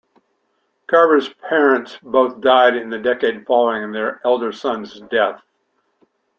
Garber's parents both died in the decade following their elder son's death.